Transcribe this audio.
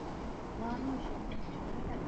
maduka yanatumika kubadilisha fedha za kigeni